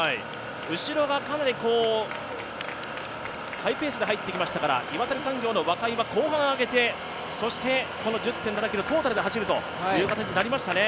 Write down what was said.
後ろがかなりハイペースで入ってきましたから、岩谷産業の若井は後半上げて、１０．７ｋｍをトータルで走るという形になりましたね。